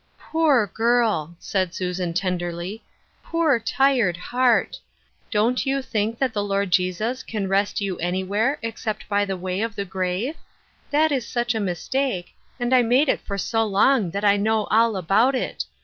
" Poor girl !" said Susan, tenderly. " Poor» tired heart. Don't you think that the Lord Jesus can rest you anywhere except by the way of the grave ? That is such a mistake, and I made it for so long that I know all about it.